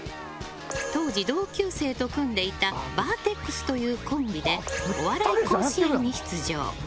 当時、同級生と組んでいたバーテックスというコンビで「お笑い甲子園」に出場。